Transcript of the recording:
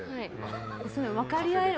分かり合える